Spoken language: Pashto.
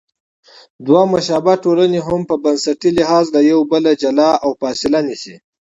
دوه مشابه ټولنې هم په بنسټي لحاظ له یو بله جلا او فاصله نیسي.